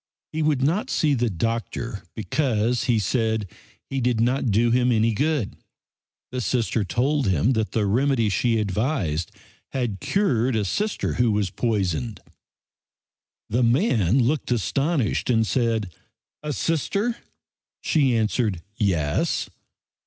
He would not see the doctor because, he said, he did not do him any good. The Sister told him that the remedy she advised had cured a Sister who was poisoned. The man looked astonished and said: "A Sister?" She answered, "Yes."